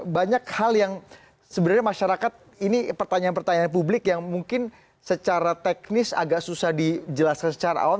banyak hal yang sebenarnya masyarakat ini pertanyaan pertanyaan publik yang mungkin secara teknis agak susah dijelaskan secara awam